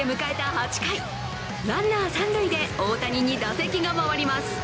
８回、ランナー、三塁で大谷に打席が回ります。